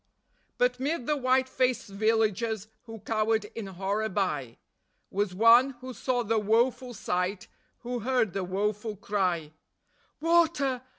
But mid the white faced villagers who cowered in horror by, Was one who saw the woeful sight, who heard the woeful cry: "Water!